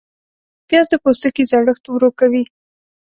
پیاز د پوستکي زړښت ورو کوي